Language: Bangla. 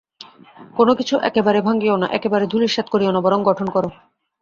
কোন কিছু একেবারে ভাঙিও না, একেবারে ধূলিসাৎ করিও না, বরং গঠন কর।